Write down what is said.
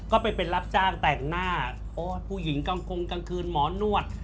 ก็ไปเป็นรับจ้างแต่งหน้าผู้หญิงกลางกงกลางคืนหมอนวด